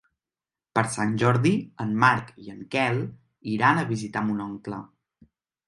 Per Sant Jordi en Marc i en Quel iran a visitar mon oncle.